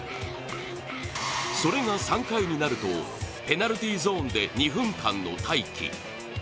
それが３回になると、ペナルティーゾーンで２分間の待機。